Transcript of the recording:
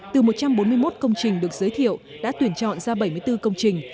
từ một trăm bốn mươi một công trình được giới thiệu đã tuyển chọn ra bảy mươi bốn công trình